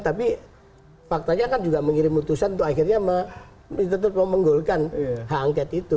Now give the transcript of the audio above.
tapi faktanya kan juga mengirim utusan untuk akhirnya menggolkan hak angket itu